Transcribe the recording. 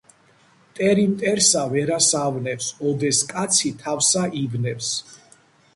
მტერი მტერსა ვერას ავნებს, ოდეს კაცი თავსა ივნებს